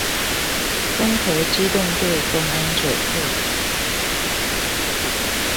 攻殼機動隊公安九課